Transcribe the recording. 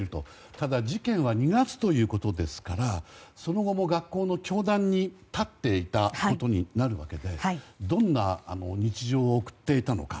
ただ、事件は２月ということですからその後も学校の教壇に立っていたことになるわけでどんな日常を送っていたのか。